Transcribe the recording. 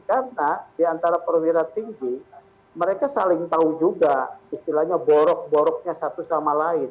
karena di antara perwira tinggi mereka saling tahu juga istilahnya borok boroknya satu sama lain